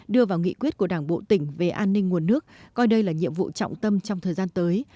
đưa vào nghị quyết của đảng bộ tỉnh về an ninh nguồn nước coi đây là nhiệm vụ trọng tâm trong thời gian tới